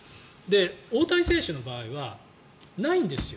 大谷選手の場合はないんですよ